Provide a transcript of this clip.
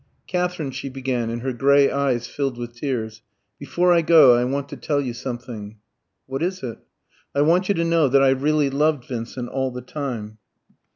"Katherine," she began, and her grey eyes filled with tears, "before I go, I want to tell you something " "What is it?" "I want you to know that I really loved Vincent all the time."